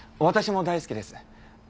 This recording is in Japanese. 私も大好きです。